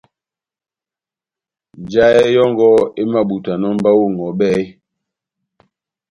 Njahɛ yɔ́ngɔ emabutanɔ mba ó ŋʼhɔbɛ eeeh ?